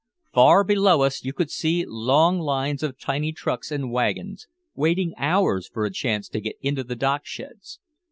Far below us you could see long lines of tiny trucks and wagons waiting hours for a chance to get into the docksheds.